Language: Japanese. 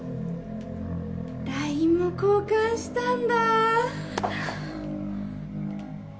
ＬＩＮＥも交換したんだ